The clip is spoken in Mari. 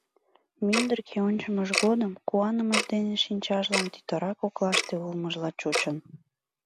Мӱндыркӧ ончымыж годым куанымыж дене шинчажлан тӱтыра коклаште улмыжла чучын.